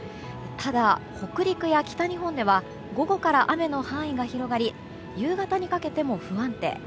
ただ北陸や北日本では午後から雨の範囲が広がり夕方にかけても不安定。